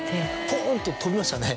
ポンと飛びましたね